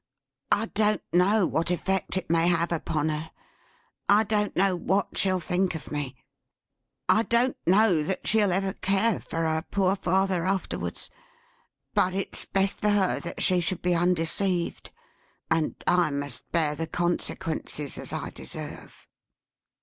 "I don't know what effect it may have upon her; I don't know what she'll think of me; I don't know that she'll ever care for her poor father afterwards. But it's best for her that she should be undeceived; and I must bear the consequences as I deserve!"